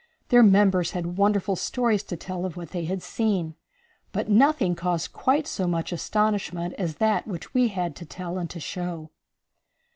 Their members had wonderful stories to tell of what they had seen, but nothing caused quite so much astonishment as that which we had to tell and to show.